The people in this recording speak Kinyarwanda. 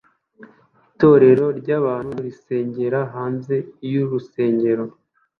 Itorero ry'abantu risengera hanze y'urusengero